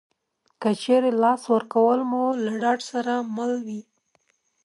که چېرې لاس ورکول مو له ډاډ سره مل وي